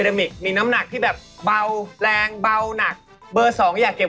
เหมือนเบอร์๑เขาแกล้งทำอันตรีไม่เป็น